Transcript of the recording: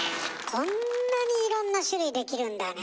こんなにいろんな種類できるんだね。